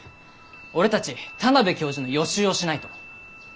俺たち田邊教授の予習をしないと。